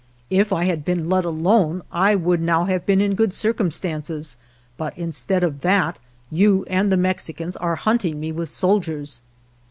If I had been let alone I would now have been in good circumstances, but instead of that you and the Mexicans are hunting me with soldiers."